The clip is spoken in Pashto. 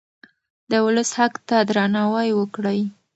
د ولس حق ته درناوی وکړئ.